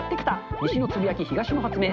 西のつぶやき、東の発明。